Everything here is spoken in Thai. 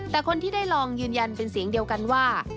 แต่คนที่ได้ลองยืนยันเป็นเสียงเดียวกันว่า